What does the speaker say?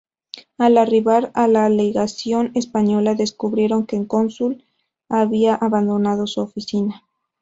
Al arribar a la legación española descubrieron que el cónsul había abandonado su oficina.